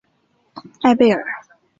艾贝尔。